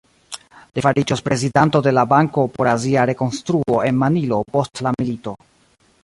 Li fariĝos prezidanto de la Banko por Azia Rekonstruo en Manilo post la milito.